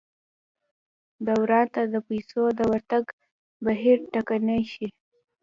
دوران ته د پیسو د ورتګ بهیر ټکنی شي.